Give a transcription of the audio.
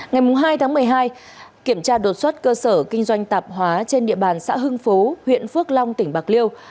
ngày hai tháng một mươi hai kiểm tra đột xuất cơ sở kinh doanh tạp hóa trên địa bàn xã hưng phú huyện phước long tỉnh bạc liêu